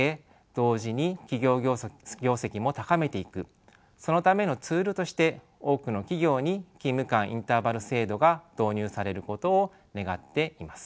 同時に企業業績も高めていくそのためのツールとして多くの企業に勤務間インターバル制度が導入されることを願っています。